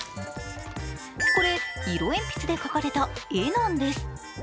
これ、色鉛筆で描かれた絵なんです